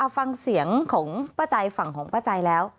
ฟังเสียงของป้าใจฝั่งของป้าใจแล้ว